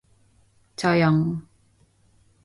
조용!